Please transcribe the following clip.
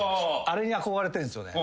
あれに憧れてるんすよね。